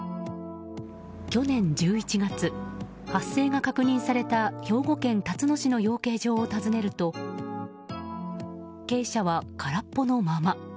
去年１１月、発生が確認された兵庫県たつの市の養鶏場を訪ねると鶏舎は空っぽのまま。